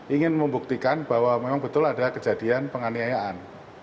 ingin membuktikan bahwa memang betul ada kejadian penganiayaan